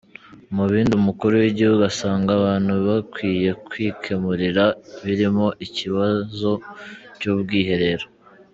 Mu bindi umukuru w’igihugu asanga abantu bakwiye kwikemurira birimo ikibazo cy’ubwiherero.